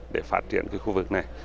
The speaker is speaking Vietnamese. để phát triển cái khu vực này